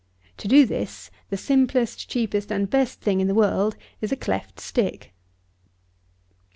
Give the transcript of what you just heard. To do this, the simplest, cheapest and best thing in the world is a cleft stick.